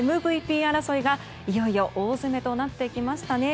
ＭＶＰ争いが、いよいよ大詰めとなってきましたね。